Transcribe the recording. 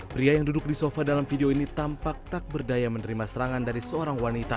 pria yang duduk di sofa dalam video ini tampak tak berdaya menerima serangan dari seorang wanita